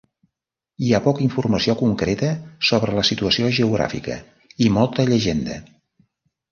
Hi ha poca informació concreta sobre la situació geogràfica i molta llegenda.